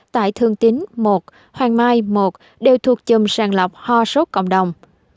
tại thương tính một hoàng mai một đều thuộc chùm sàng lọc hoa sốt cộng đồng